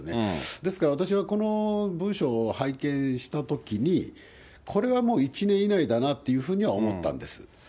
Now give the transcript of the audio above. ですから私はこの文書を拝見したときに、これはもう１年以内だなというふうに思ったんです。